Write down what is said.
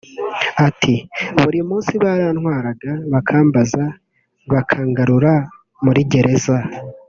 Ati “Buri munsi barantwaraga bakambaza bakangaruza muri gereza